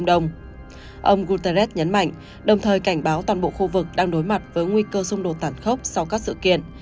ông guterres nhấn mạnh đồng thời cảnh báo toàn bộ khu vực đang đối mặt với nguy cơ xung đột tàn khốc sau các sự kiện